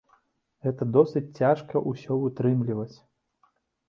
Гэта досыць цяжка ўсё вытрымліваць.